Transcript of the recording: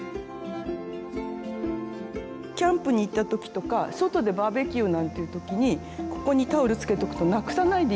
キャンプに行った時とか外でバーベキューなんていう時にここにタオルつけておくとなくさないでいいでしょ。